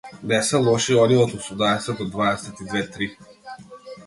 Не се лоши оние од осумнаесет до дваесет и две-три.